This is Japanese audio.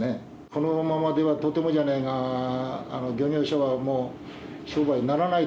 このままではとてもじゃないが漁業者は、もう商売にならない。